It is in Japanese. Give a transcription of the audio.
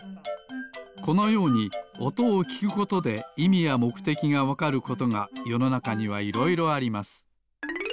このようにおとをきくことでいみやもくてきがわかることがよのなかにはいろいろあります。